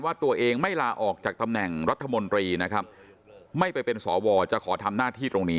ว่าตัวเองไม่ลาออกจากตำแหน่งรัฐมนตรีนะครับไม่ไปเป็นสวจะขอทำหน้าที่ตรงนี้